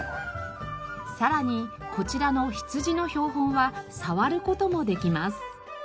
さらにこちらのヒツジの標本は触る事もできます。